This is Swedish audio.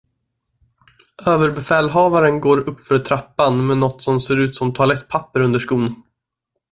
Överbefälhavaren går uppför trappan med nåt som ser ut som toalettpapper under skon.